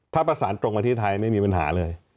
ถ้าประสานตรงมาที่ไทยไม่มีปัญหาเลย